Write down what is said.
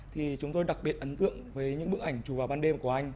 thì chúng tôi đặc biệt ấn tượng với những bức ảnh chụp vào ban đêm của anh